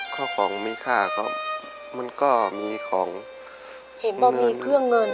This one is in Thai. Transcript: ก็ของมีค่าก็มันก็มีของเห็นว่ามีเครื่องเงิน